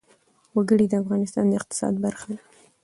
وګړي د افغانستان د اقتصاد برخه ده.